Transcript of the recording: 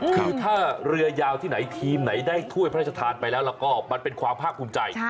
คือถ้าเรือยาวที่ไหนทีมไหนได้ถ้วยพระราชทานไปแล้วแล้วก็มันเป็นความภาคภูมิใจ